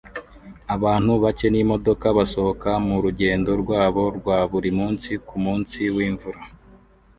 Abantu bake n'imodoka basohoka murugendo rwabo rwa buri munsi kumunsi wimvura